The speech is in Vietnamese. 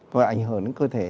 và ảnh hưởng đến cơ thể